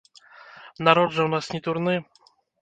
Народ жа ў нас не дурны.